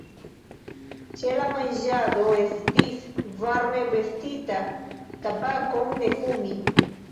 Ĉe la manĝado esti varme vestita; tabakon ne fumi.